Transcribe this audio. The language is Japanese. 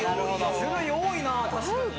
種類多いな確かに。